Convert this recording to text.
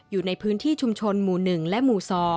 อยู่ในพื้นที่ชุมชนหมู่๑และหมู่๒